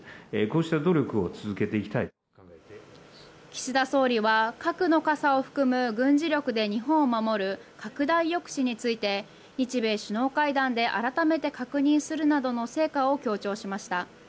岸田総理は核の傘を含む軍事力で日本を守る、拡大抑止について日米首脳会談で改めて確認するなどの成果を強調しました。